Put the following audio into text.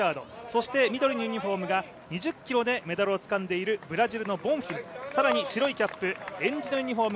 そして緑のユニフォームが２０ｋｍでメダルをつかんでいるブラジルのボンフィム、更に白いキャップ、えんじのユニフォーム